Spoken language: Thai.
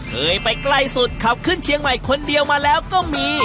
เคยไปใกล้สุดขับขึ้นเชียงใหม่คนเดียวมาแล้วก็มี